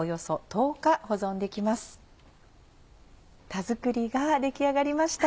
田作りが出来上がりました。